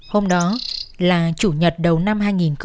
hôm đó là chủ nhật đầu năm hai nghìn hai mươi